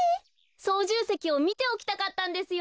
そうじゅうせきをみておきたかったんですよ。